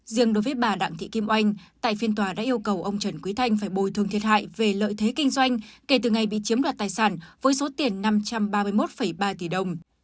riêng đối với bà đặng thị kim oanh tại phiên tòa đã yêu cầu ông trần quý thanh phải bồi thương thiệt hại về lợi thế kinh doanh kể từ ngày bị chiếm đoạt tài sản với số tiền năm trăm ba mươi một ba tỷ đồng